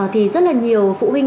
thì rất là nhiều phụ huynh